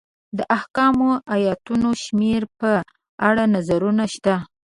د احکامو ایتونو شمېر په اړه نظرونه شته.